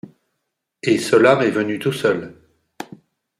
et cela m'est venu tout seul.